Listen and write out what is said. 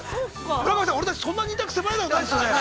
◆村上さん、俺たちそんな２択、迫られたことないですよね。